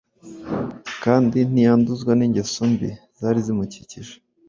kandi ntiyanduzwa n’ingeso mbi zari zimukikije.